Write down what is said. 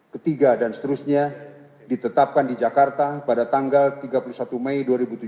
ketiga dan seterusnya ditetapkan di jakarta pada tanggal tiga puluh satu mei dua ribu tujuh belas